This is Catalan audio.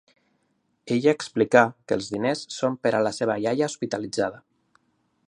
Ella explicà que els diners són per a la seua iaia hospitalitzada.